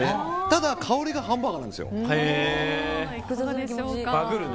ただ香りがハンバーガーなんですよ。